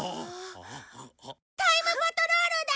タイムパトロールだ！